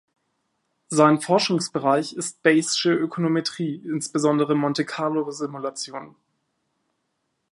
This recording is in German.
Sein Forschungsbereich ist Bayessche Ökonometrie, insbesondere Monte-Carlo-Simulation.